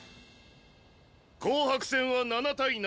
紅白戦は７対７。